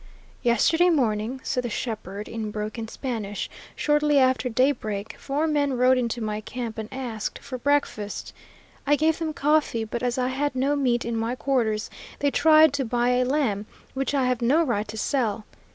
"Yesterday morning," said the shepherd, in broken Spanish, "shortly after daybreak, four men rode into my camp and asked for breakfast. I gave them coffee, but as I had no meat in my quarters, they tried to buy a lamb, which I have no right to sell.